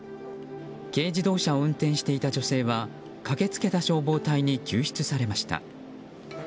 軽自動車を運転していた女性は駆けつけた消防隊に救出されました。